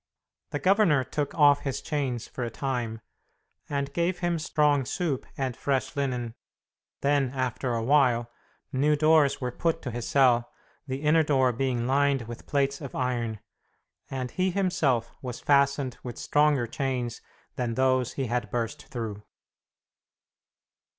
The governor took off his chains for a time, and gave him strong soup and fresh linen. Then, after a while, new doors were put to his cell, the inner door being lined with plates of iron, and he himself was fastened with stronger chains than those he had burst through.